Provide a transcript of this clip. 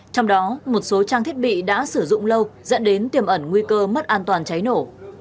trong đó một số trang thiết bị đã sử dụng lâu dẫn đến tiềm ẩn nguy cơ mất an toàn cháy nổ